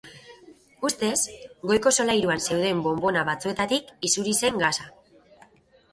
Ustez, goiko solairuan zeuden bonbona batzuetatik isuri zen gasa.